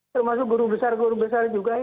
termasuk guru besar guru besar juga